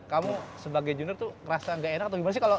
kamu sebagai junior tuh ngerasa gak enak atau gimana sih